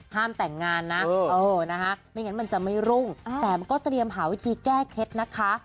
แต่งงานนะเออนะคะไม่งั้นมันจะไม่รุ่งแต่มันก็เตรียมหาวิธีแก้เคล็ดนะคะ